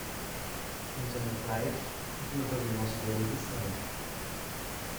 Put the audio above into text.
Internet Life est une revue mensuelle disparue.